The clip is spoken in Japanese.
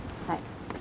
はい。